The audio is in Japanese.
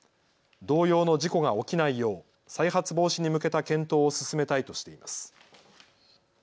同様の事故が起きないよう再発防止に向けた検討を進めたいとしています。